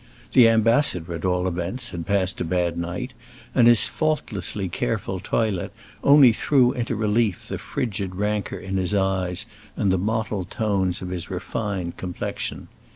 The ambassador, at all events, had passed a bad night, and his faultlessly careful toilet only threw into relief the frigid rancor in his eyes and the mottled tones of his refined complexion.